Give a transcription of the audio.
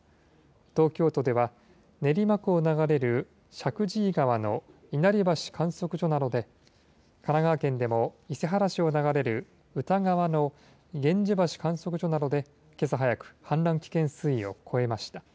東京都では練馬区を流れる石神井川の稲荷橋観測所などで、神奈川県でも伊勢原市を流れる歌川の源氏橋観測所などで、けさ早く、氾濫危険水位を超えました。